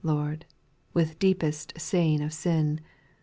Lord, With deepest stain of sin.